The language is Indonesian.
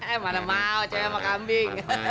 eh mana mau cewek sama kambing